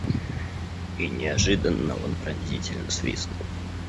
– И неожиданно он пронзительно свистнул.